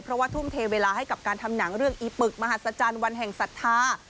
เพราะว่าทุ่มเทเวลาให้กับการทำหนังเรื่องอีปึกมหัศจรรย์วันแห่งศรัทธา